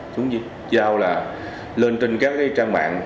chúng giao là lên trên các trang mạng